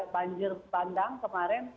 banjir bandang kemarin